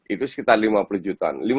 itu sekitar lima puluh jutaan